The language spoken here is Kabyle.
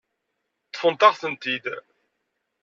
Ṭṭfent-aɣ-tent-id.